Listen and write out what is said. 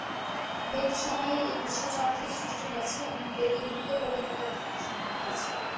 বেদসহায়েই এই বিশ্ব-চরাচর সৃষ্ট হয়েছে এবং বেদে নিহিত বলেই তাদের অস্তিত্ব সম্ভব হয়েছে।